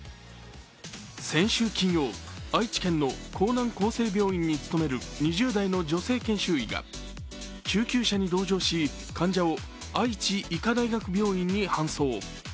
先週金曜、愛知県の江南厚生病院に勤める２０代の女性研修医が救急車に同乗し、患者を愛知医科大学病院に搬送。